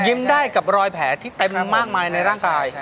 ได้กับรอยแผลที่เต็มมากมายในร่างกาย